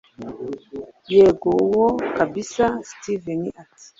yego uwo kabsa steven ati